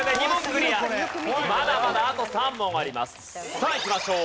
さあいきましょう。